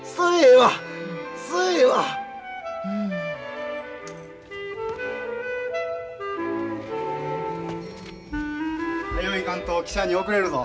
はよ行かんと汽車に遅れるぞ。